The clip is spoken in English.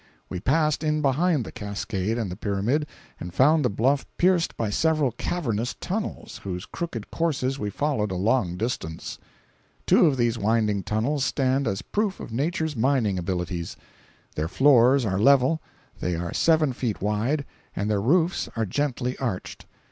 We passed in behind the cascade and the pyramid, and found the bluff pierced by several cavernous tunnels, whose crooked courses we followed a long distance. Two of these winding tunnels stand as proof of Nature's mining abilities. Their floors are level, they are seven feet wide, and their roofs are gently arched.